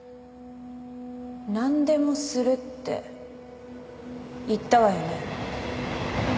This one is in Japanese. なんでもするって言ったわよね？